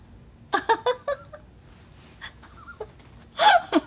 アハハハハ。